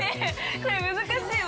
◆これ難しいわ。